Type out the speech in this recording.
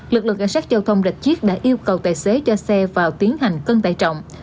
lực lượng cảnh sát giao thông tp hcm đã yêu cầu tài xế cho xe vào tiến hành cân tải trọng